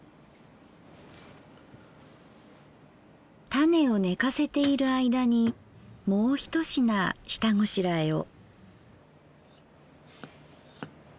タネをねかせている間にもう一品下ごしらえを。